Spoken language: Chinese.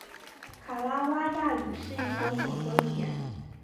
卡拉瓦亚语是一种混合语言。